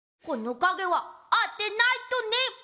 このかげはあてないとね。